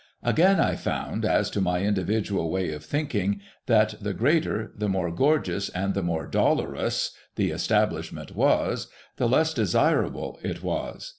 Again I found, as to my individual way of thinking, that the greater, the more gorgeous, and the more dollarous the establishment was, the less desirable it was.